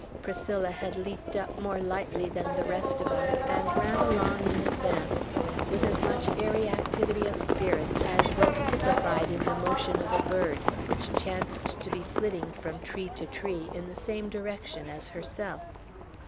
Priscilla had leaped up more lightly than the rest of us, and ran along in advance, with as much airy activity of spirit as was typified in the motion of a bird, which chanced to be flitting from tree to tree, in the same direction as herself.